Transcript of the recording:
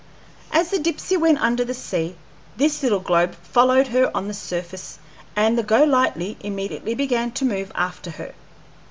As the Dipsey went under the sea, this little globe followed her on the surface, and the Go Lightly immediately began to move after her.